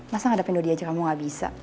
masa ngadepin dodi aja kamu gak bisa